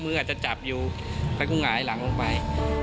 อาจจะจับอยู่แล้วก็หงายหลังลงไป